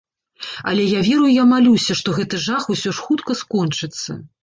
Але я веру і я малюся, што гэты жах усё ж хутка скончыцца.